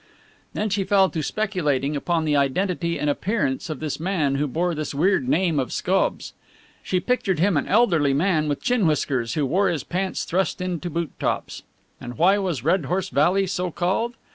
Then she fell to speculating upon the identity and appearance of this man who bore this weird name of Scobbs. She pictured him an elderly man with chin whiskers who wore his pants thrust into top boots. And why was Red Horse Valley so called?